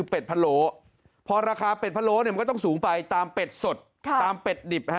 เพราะว่าราคาเป็ด